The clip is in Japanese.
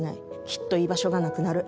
きっと居場所がなくなる。